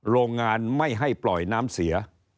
โรงงานไม่ให้ปล่อยน้ำเสีย